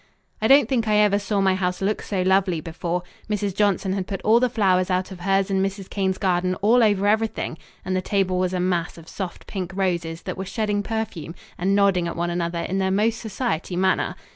I don't think I ever saw my house look so lovely before. Mrs. Johnson had put all the flowers out of hers and Mrs. Cain's garden all over everything, and the table was a mass of soft pink roses that were shedding perfume and nodding at one another in their most society manner.